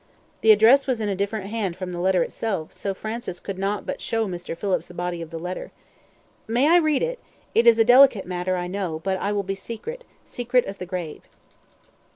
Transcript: The address was in a different hand from the letter itself, so Francis could not but show Mr. Phillips the body of the letter. "May I read it? It is a delicate matter, I know; but I will be secret secret as the grave."